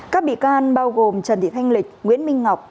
các bị can bao gồm trần thị thanh lịch nguyễn minh ngọc